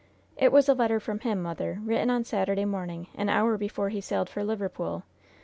"It was a letter from him, mother, written on Saturday morning, an hour before he sailed for Liverpool.